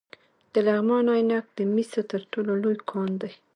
د لغمان عينک د مسو تر ټولو لوی کان دی